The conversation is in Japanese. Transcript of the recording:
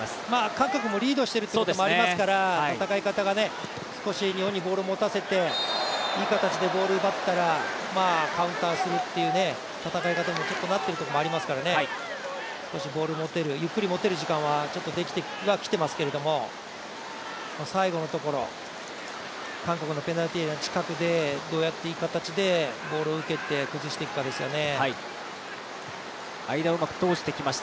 韓国もリードしているというところもありますから、少し日本にボールを持たせていい形でボールを奪ったらカウンターするという戦いに方になっているところがありますから、少しボールゆっくり持てる時間はできてきていますけれども最後のところ、韓国のペナルティーエリアの近くで、どうやっていい形でボールを受けて崩していくかですよね。